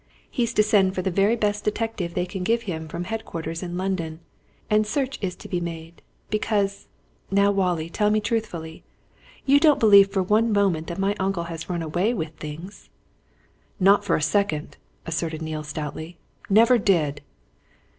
"He's to send for the very best detective they can give him from headquarters in London, and search is to be made. Because now, Wallie, tell me truthfully you don't believe for one moment that my uncle has run away with things?" "Not for one second!" asserted Neale stoutly. "Never did!"